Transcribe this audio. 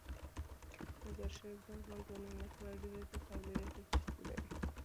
مزارشریف د افغان ځوانانو لپاره ډیره زیاته او لویه دلچسپي لري.